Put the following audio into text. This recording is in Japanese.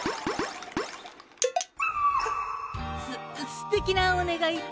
すてきなおねがいだね。